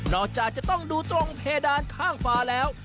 จากจะต้องดูตรงเพดานข้างฟ้าแล้ว